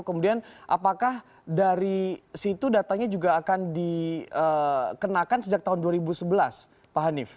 kemudian apakah dari situ datanya juga akan dikenakan sejak tahun dua ribu sebelas pak hanif